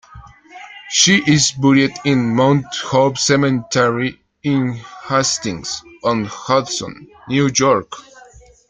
She is buried in Mount Hope Cemetery in Hastings-on-Hudson, New York.